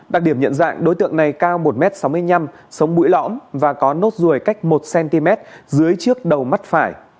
đặc điểm nhận dạng đối tượng này cao một m sáu mươi năm sống mũi lõm và có nốt ruồi cách một cm dưới trước đầu mắt phải